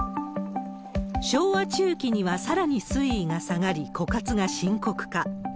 昭和中期にはさらに水位が下がり、枯渇が深刻化。